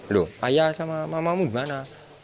loh ayah sama mamamu gimana